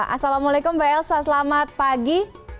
assalamualaikum mbak elsa selamat pagi